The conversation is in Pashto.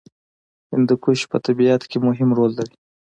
هندوکش په طبیعت کې مهم رول لري.